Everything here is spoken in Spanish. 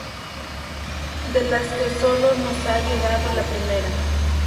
De las que sólo nos ha llegado la primera.